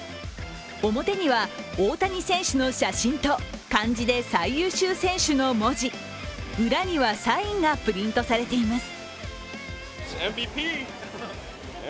表には大谷選手の写真と漢字で最優秀選手の文字裏にはサインがプリントされています。